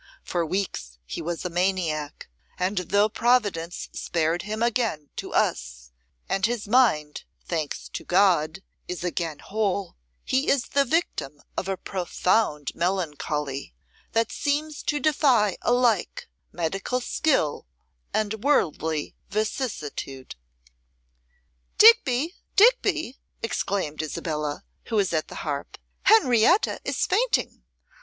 For weeks he was a maniac; and, though Providence spared him again to us, and his mind, thanks to God, is again whole, he is the victim of a profound melancholy, that seems to defy alike medical skill and worldly vicissitude.' 'Digby, Digby!' exclaimed Isabella, who was at the harp, 'Henrietta is fainting.